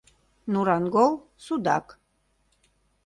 Нурангол — судак.